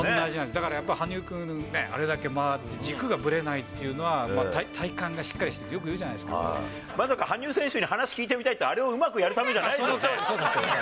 だからやっぱ、羽生君ね、あれだけ回って軸がぶれないっていうのは、体幹がしっかりしてる、まさか羽生選手に話聞いてみたいって、あれをうまくやるためじゃないですよね？